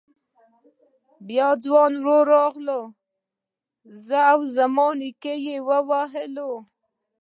بيا يې ځوان ورور راغی زه او زما نيکه يې ووهلو.